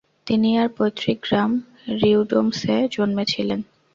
তিনি তার পৈতৃক গ্রাম রিউডোমসে জন্মেছিলেন।